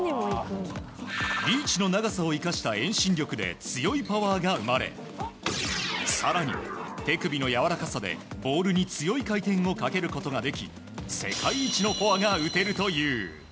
リーチの長さを生かした遠心力で強いパワーが生まれ更に、手首のやわらかさでボールに強い回転をかけることができ世界一のフォアが打てるという。